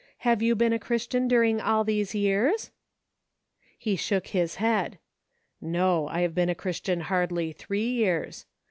Have you been a Christian during all these years ?" He shook his head :" No ; I have been a Chris tian hardly three years.